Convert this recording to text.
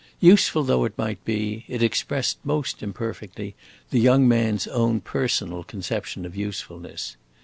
Useful though it might be, it expressed most imperfectly the young man's own personal conception of usefulness.